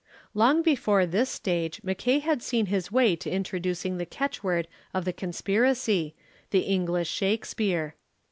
Long before this stage Mackay had seen his way to introducing the catch word of the conspiracy, "The English Shakespeare."